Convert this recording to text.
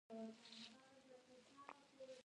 د پښتنو په کلتور کې سهار وختي پاڅیدل عادت دی.